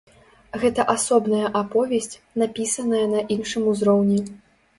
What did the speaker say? Гэта асобная аповесць, напісаная на іншым узроўні.